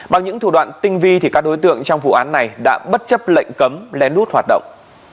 bằng những thủ đoạn tinh vi thì các đối tượng trong vụ án này đã bất chấp lệnh cấm lén lút hoạt động